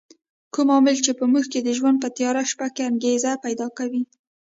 کوم عامل چې په موږ کې د ژوند په تیاره شپه انګېزه پیدا کوي.